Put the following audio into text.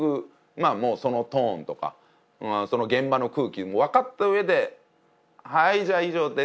そのトーンとかその現場の空気も分かった上で「はいじゃあ以上です。